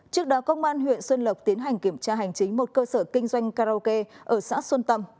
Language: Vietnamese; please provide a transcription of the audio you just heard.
trước đó công an huyện xuân lộc tiến hành kiểm tra hành chính một cơ sở kinh doanh karaoke ở xã xuân tâm